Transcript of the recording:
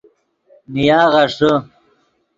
نیا غیݰے